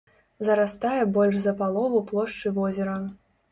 Зарастае больш за палову плошчы возера.